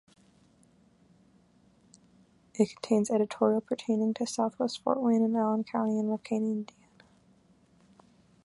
It contains editorial pertaining to Southwest Fort Wayne and Allen County and Roanoke, Indiana.